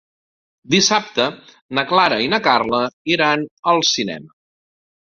Dissabte na Clara i na Carla iran al cinema.